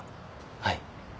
はい。